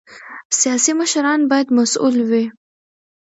سیاسي مشران باید مسؤل وي